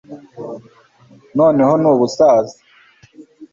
Noneho nubusaza